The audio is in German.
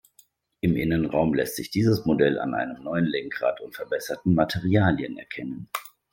Im Innenraum lässt sich dieses Modell an einem neuen Lenkrad und verbesserten Materialien erkennen.